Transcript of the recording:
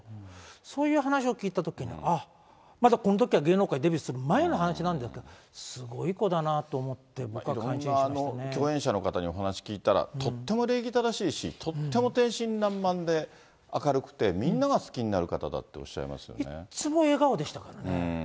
そういう話を聞いたときに、ああ、まだこのときは芸能界デビューする前の話なんだけど、すごい子だなと思って、僕は共演者の方にお話聞いたら、とっても礼儀正しいし、とっても天真らんまんで、明るくて、みんなが好きになる方だっていつも笑顔でしたからね。